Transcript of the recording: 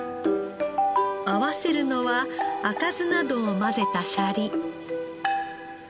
合わせるのは赤酢などを混ぜたシャリ。